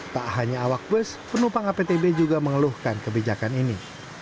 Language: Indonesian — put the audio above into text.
tak hanya awak bus penumpang aptb juga mengeluhkan kebijakan ini